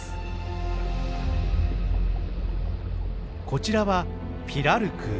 こちらはピラルクー。